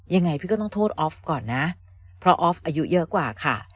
ยังไงพี่ก็ต้องโทษออฟก่อนนะเพราะออฟอายุเยอะกว่าค่ะ